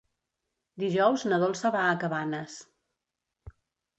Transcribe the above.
Dijous na Dolça va a Cabanes.